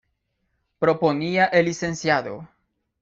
Proponía el Lic.